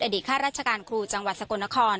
ข้าราชการครูจังหวัดสกลนคร